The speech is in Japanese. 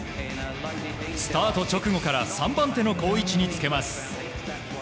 スタート直後から３番手の好位置につけます。